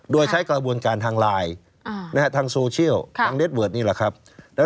โดยใช้กระบวนการทางไลน์ทางโซเชียลทางเดทเวิร์ดนี่แหละครับ